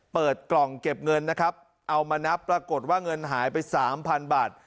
เปิดกล่องเก็บเงินนะครับเอามานับปรากฏว่าเงินหายไปสามพันบาท